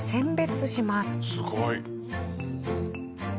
すごい。